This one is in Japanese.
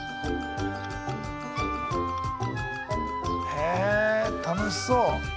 へえ楽しそう。